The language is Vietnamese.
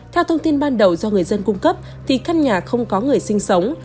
theo thông tin ban đầu do người dân cung cấp thì căn nhà không có người sinh sống